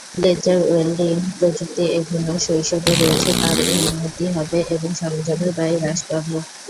Laser welding প্রযুক্তি এখনও শৈশবে রয়েছে তাই উন্নতি হবে এবং সরঞ্জামের ব্যয় হ্রাস পাবে।